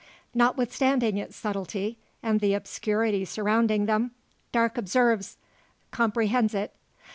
Notwithstanding its subtlety, and the obscurity surrounding them, Darke observes, comprehends it.